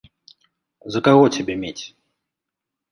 За каго цябе мець?